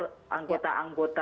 anggota anggota anggota